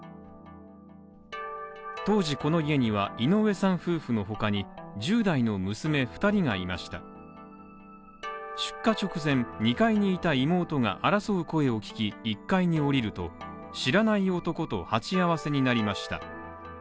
当時この家には井上さん夫婦の他に、１０代の娘２人がいました出火直前二階にいた妹が争う声を聞き、１階に降りると知らない男と鉢合わせになりました。